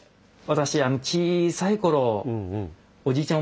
私小さい頃おじいちゃん